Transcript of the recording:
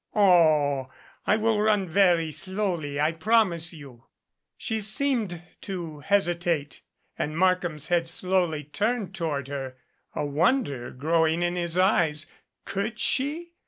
"Oh, I will run very slowly, I promise you." She seemed to hesitate and Markham's head slowly turned toward her, a wonder growing in his eyes. Could she?